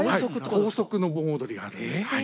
高速の盆踊りがあるんです。